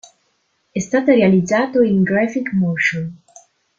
È stato realizzato in graphic motion.